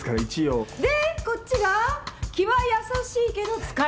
でこっちが気は優しいけど使えない助手ね。